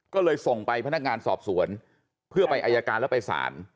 ก็เลยส่งไปพนักงานสอบสวนเพื่อไปอายการแล้วไปสาร